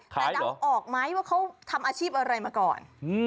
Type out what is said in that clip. แต่เดาออกไหมว่าเขาทำอาชีพอะไรมาก่อน